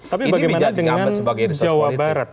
tapi bagaimana dengan jawa barat